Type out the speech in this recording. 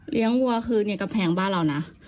เลี้ยงวัวคือเนี่ยกระแพงบ้านเรานะ